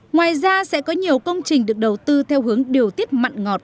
ngoài ra sẽ có nhiều công trình được đầu tư theo hướng điều tiết mặn ngọt